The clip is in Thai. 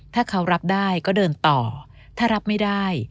ถ้าเขารับได้ก็เดินต่อถ้ารับไม่ได้